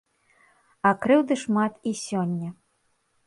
А крыўды шмат і сёння.